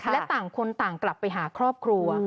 และต่างคนต่างกลับไปหาครอบครัว